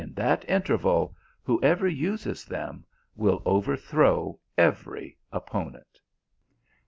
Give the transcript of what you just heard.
213 that interval, whoever uses them, will overthrow every opponent."